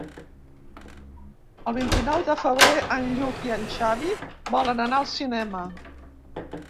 El vint-i-nou de febrer en Lluc i en Xavi volen anar al cinema.